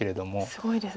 すごいですね。